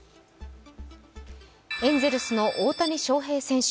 エンゼルスの大谷翔平選手。